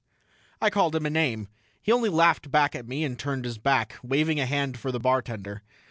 I called him a name. He only laughed back at me and turned his back, waving a hand for the bartender.